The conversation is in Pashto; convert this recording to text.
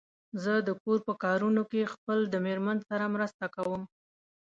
زه د کور په کارونو کې خپل د مېرمن سره مرسته کوم.